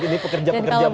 ini pekerja pekerja malam